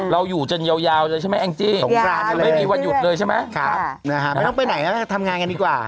เราอยู่จนยาวเลยใช่ไหมอ้างจริงยาวเลย